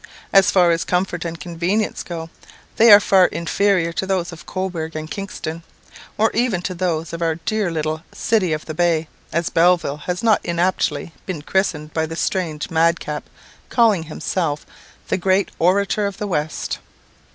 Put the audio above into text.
As far as comfort and convenience go, they are far inferior to those of Cobourg and Kingston, or even to those of our own dear little "City of the Bay," as Belleville has not inaptly been christened by the strange madcap, calling himself the "Great Orator of the West."